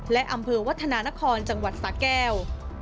และอำเภอวัฒนานครจังหวัดสาแก้ว